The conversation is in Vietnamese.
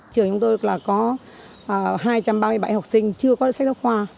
trường chúng tôi có hai trăm ba mươi bảy học sinh chưa có sách giáo khoa